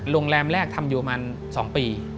โรงแรมแรกทำอยู่ประมาณ๒ปี